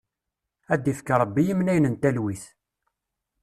Ad d-ifk Ṛebbi imnayen n telwit!